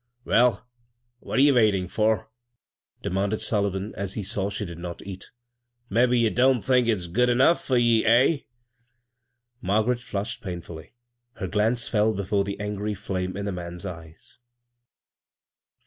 "Well, what ye waitin' for?" demanded 5ulHvan, as he saw she did not eat " Mebbe yfe don't think it's good 'nough for ye 1— eh ?" Margaret flushed painfully. Her glance Eell before the angry flame in the man's eyes.